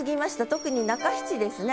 特に中七ですね。